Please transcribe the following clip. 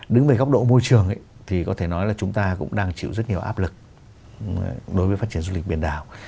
đứng về góc độ môi trường thì có thể nói là chúng ta cũng đang chịu rất nhiều áp lực đối với phát triển du lịch biển đảo